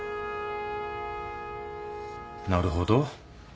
なるほど。